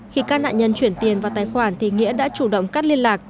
khi các nạn nhân chuyển tiền vào tài khoản thì nghĩa đã chủ động cắt liên lạc